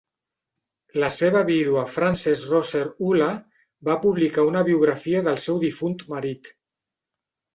La seva vídua Frances Rosser Hullah va publicar una biografia del seu difunt marit.